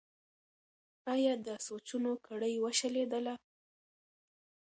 ایا د سوچونو کړۍ وشلیدله؟